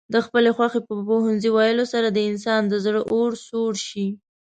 د خپلې خوښې په پوهنځي ويلو سره د انسان د زړه اور سوړ شي.